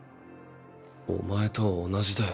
お前と同じだよ。